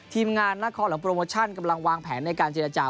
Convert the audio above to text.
ทีมงานนครหลังโปรโมชั่นกำลังวางแผนในการเจรจา